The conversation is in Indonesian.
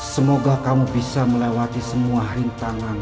semoga kamu bisa melewati semua rintangan